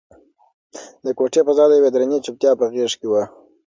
د کوټې فضا د یوې درنې چوپتیا په غېږ کې وه.